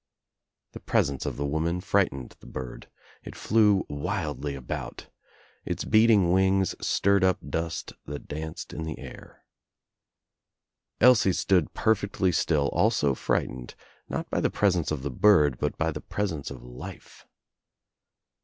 The presence of the woman frightened the bird. It flew wildly about. Its beating wings stirred up dust that danced in the air. Elsie stood perfectly still ,alsO frightened, not by the presence of the bird but by the presence of life.